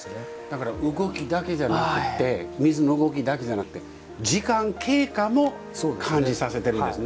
だから動きだけじゃなくって水の動きだけじゃなくって時間経過も感じさせてるんですね。